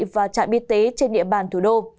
và trạm y tế trên địa bàn thủ đô